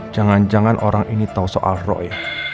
jangan jangan orang ini tau soal roy